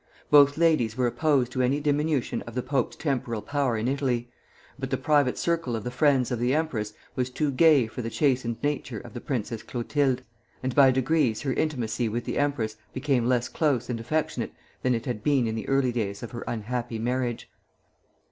Both ladies were opposed to any diminution of the pope's temporal power in Italy; but the private circle of the friends of the empress was too gay for the chastened nature of the Princess Clotilde, and by degrees her intimacy with the empress became less close and affectionate than it had been in the early days of her unhappy marriage.